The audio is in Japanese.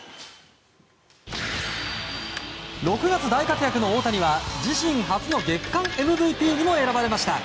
６月大活躍の大谷は自身初の月間ＭＶＰにも選ばれました。